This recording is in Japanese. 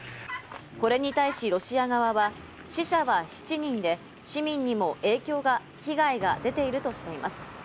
これに対しロシア側は死者は７人で、市民にも被害が出ているとしています。